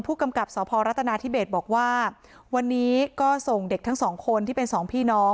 ผู้กำกับสพรัฐนาธิเบศบอกว่าวันนี้ก็ส่งเด็กทั้งสองคนที่เป็นสองพี่น้อง